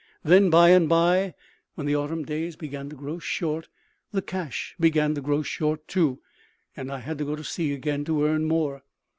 Then by and by, when the autumn days began to grow short, the cash began to grow short, too; and I had to go to sea again to earn more.